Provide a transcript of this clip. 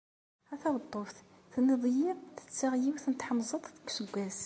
A taweṭṭuft, tenniḍ-iyi ttetteɣ yiwet n tḥemẓet deg useggas.